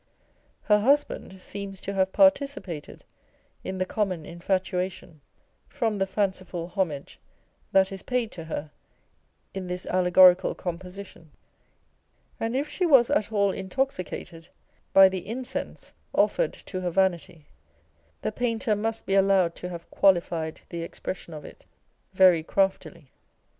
Her husband seems to have participated in the common infatuation, from the fanciful homage that is paid to her in this alle gorical composition ; and if she was at all intoxicated by the incense offered to her vanity, the painter must be allowed to have " qualified " the expression of it " very craftily."